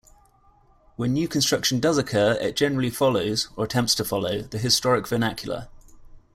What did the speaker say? When new construction does occur, it generally follows-or attempts to follow-the historic vernacular.